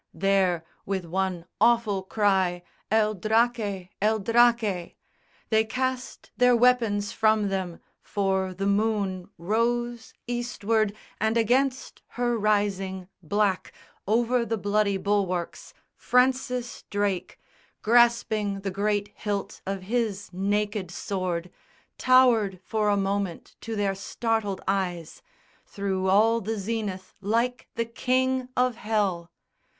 There with one awful cry, El Draque! El Draque! They cast their weapons from them; for the moon Rose, eastward, and, against her rising, black Over the bloody bulwarks, Francis Drake, Grasping the great hilt of his naked sword, Towered for a moment to their startled eyes Through all the zenith like the King of Hell.